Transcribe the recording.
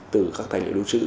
từ các tài liệu lưu trữ